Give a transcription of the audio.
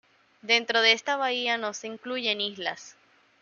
Dentro de esta bahía no se incluyen islas.